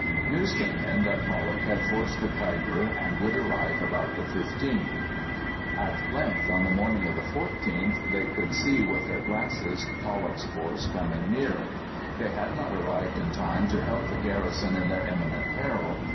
News came in that Pollock had forced the Khyber, and would arrive about the 15th. At length, on the morning of the 14th, they could see with their glasses Pollock's force coming near. They had not arrived in time to help the garrison in their imminent peril.